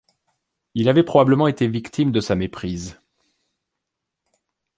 Il avait probablement été victime de sa méprise.